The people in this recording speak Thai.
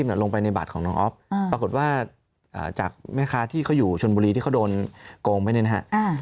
ปรากฏว่าจากแม่ค้าที่เขาอยู่ชนบุรีที่เขาโดนโกงไปเลยนะฮะ